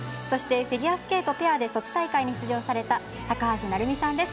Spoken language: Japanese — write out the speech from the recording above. そしてフィギュアスケートペアでソチ大会に出場された高橋成美さん。